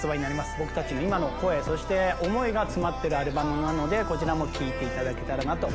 僕たちの今の声そして思いが詰まってるアルバムなのでこちらも聴いていただけたらなと思います。